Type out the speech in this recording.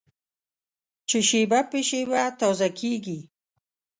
چې شېبه په شېبه تازه کېږي.